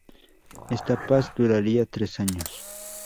Esta paz duraría tres años.